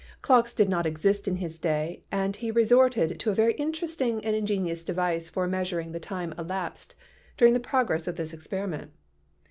Clocks did not exist in his day, and he resorted to a very interesting and ingenious device for measuring the time elapsing during the progress of this experiment.